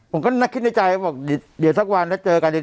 ผมก็น่าคิดในใจบอกเดี๋ยวสักวันถ้าเจอกันอีก